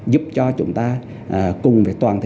giúp cho chúng ta cùng với toàn thể